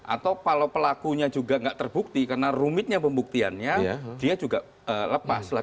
atau kalau pelakunya juga nggak terbukti karena rumitnya pembuktiannya dia juga lepas lah